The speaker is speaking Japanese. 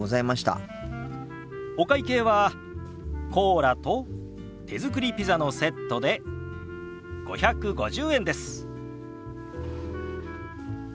お会計はコーラと手作りピザのセットで５５０円です。